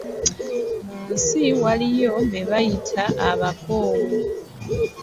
Mu nsi waliyo be bayita abakoowu.